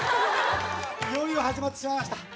いよいよ始まってしまいました。